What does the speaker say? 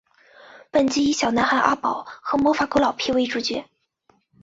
本集以小男孩阿宝和魔法狗老皮为主角。